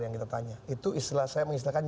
yang kita tanya itu istilah saya mengistilahkan